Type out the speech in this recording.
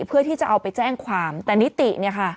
เพื่อที่จะเอาไปแจ้งความแต่นิติเนี่ยค่ะ